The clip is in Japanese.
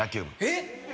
えっ！？